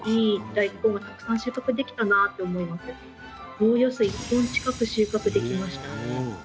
おおよそ１トン近く収穫できました。